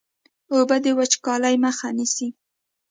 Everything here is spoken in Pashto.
اوبه د وچکالۍ مخه نیسي.